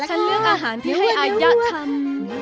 ฉันเลือกอาหารที่ให้อายะทำ